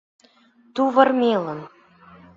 Тувырмелын.